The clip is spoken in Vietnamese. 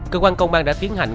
cơ quan công an đã tiến hành